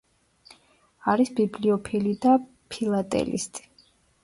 არის ბიბლიოფილი და ფილატელისტი.